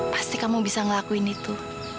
pasti kamu bisa ngelakuin itu